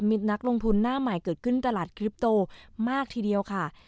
มีนักลงทุนหน้าใหม่เกิดขึ้นตลาดกริปโตมากทีเดียวค่ะ